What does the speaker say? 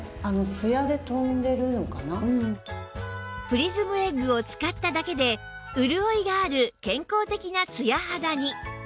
プリズムエッグを使っただけで潤いがある健康的なツヤ肌に